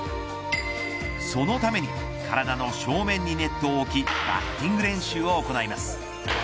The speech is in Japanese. そのために体の正面にネットを置きバッティング練習を行います。